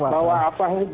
ya potluck pak